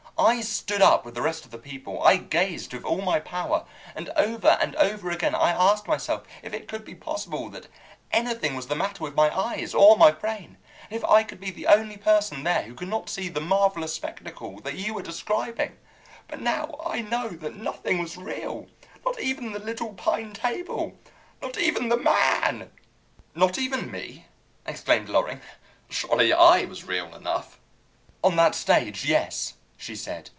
I stood up with the rest of the people. I gazed with all my power, and over and over again I asked myself if it could be possible that anything was the matter with my eyes or my brain, and if I could be the only person there who could not see the marvellous spectacle that you were describing. But now I know that nothing was real, not even the little pine table not even the man!" "Not even me!" exclaimed Loring. "Surely I was real enough!" "On that stage, yes," she said.